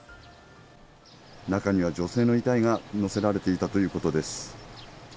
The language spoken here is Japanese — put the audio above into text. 中には女性の遺体が乗せられていたということです。